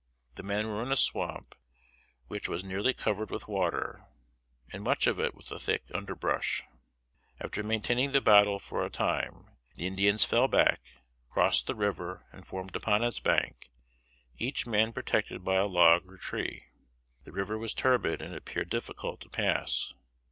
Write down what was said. The men were in a swamp which was nearly covered with water, and much of it with a thick underbrush. After maintaining the battle for a time, the Indians fell back, crossed the river, and formed upon its bank, each man protected by a log or tree. The river was turbid and appeared difficult to pass.